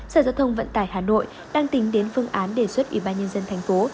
sở giao thông vận tải hà nội đang tính đến phương án đề xuất ủy ban nhân dân thành phố